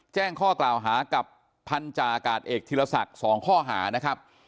แจ้งข้อกล่าวหากับพันธาอากาศเอกธีรศักดิ์๒ข้อหานะครับ